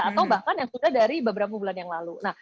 atau bahkan yang sudah dari beberapa bulan yang lalu